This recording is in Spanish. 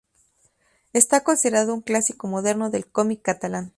Está considerado un "clásico moderno" del cómic catalán.